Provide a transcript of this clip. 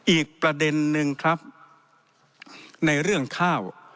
อีกประเด็นนึงครับในเรื่องข้าว